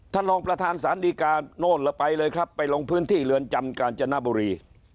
รองประธานสารดีการโน่นแล้วไปเลยครับไปลงพื้นที่เรือนจำกาญจนบุรี